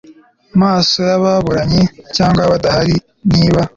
maso y ababuranyi cyangwa badahari niba